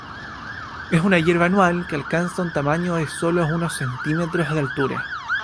Es una hierba anual que alcanza un tamaño de sólo unos centímetros de altura.